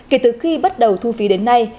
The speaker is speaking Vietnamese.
kể từ khi bắt đầu thu phí đến nay